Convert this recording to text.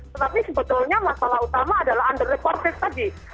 tapi sebetulnya masalah utama adalah under the court case tadi